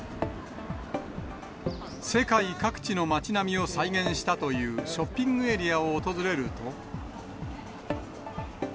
世界各地の町並みを再現したというショッピングエリアを訪れると。